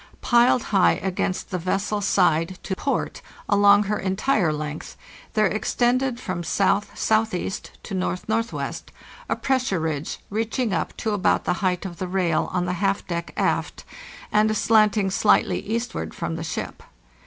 Piled high against the vessel's side, to port, along her entire length, there extended from S.S.E. to N.N.W.a pressure ridge reaching up to about the height of the rail on the half deck aft and slanting slightly eastward from the ship.